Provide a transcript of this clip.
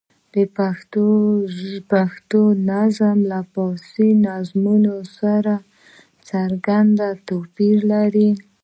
پښتو نظم له فارسي نظمونو سره څرګند توپیر لري.